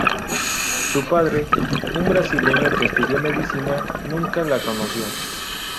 Su padre, un brasileño que estudió medicina, nunca la conoció.